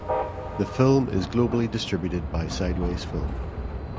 The film is globally distributed by Sideways Film.